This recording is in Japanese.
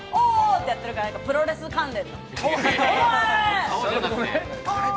てやってるからプロレス関連。